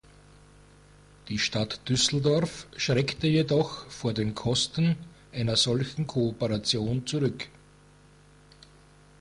Die Stadt Düsseldorf schreckte jedoch vor den Kosten einer solchen Kooperation zurück.